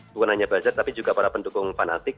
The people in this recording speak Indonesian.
bukan hanya buzzer tapi juga para pendukung fanatik